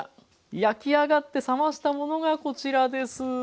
焼き上がって冷ましたものがこちらです。